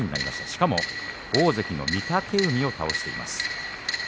しかも大関の御嶽海を倒しています。